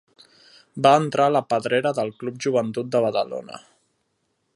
Va entrar a la pedrera del Club Joventut de Badalona.